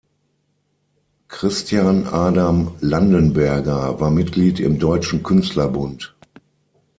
Christian Adam Landenberger war Mitglied im Deutschen Künstlerbund.